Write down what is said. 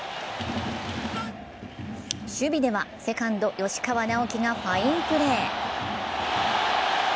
守備ではセカンド・吉川尚輝がファインプレー。